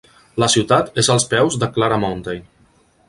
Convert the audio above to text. La ciutat és als peus de Clara Mountain.